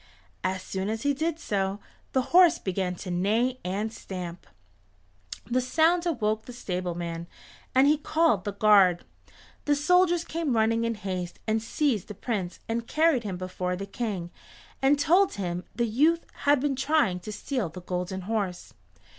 As soon as he did so, the horse began to neigh and stamp. The sound awoke the stableman, and he called the guard. The soldiers came running in haste and seized the Prince and carried him before the King and told him the youth had been trying to steal the Golden Horse.